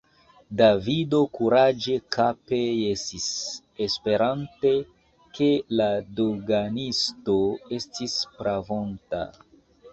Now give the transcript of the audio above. Davido kuraĝe kape jesis, esperante, ke la doganisto estis pravonta.